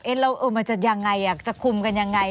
เอ๊ะมันจะยังไงจะคุมกันยังไง